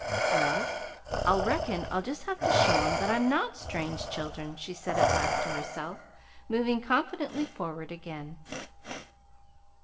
"Well, I reckon I'll just have to show 'em that I'm not strange children," she said at last to herself, moving confidently forward again.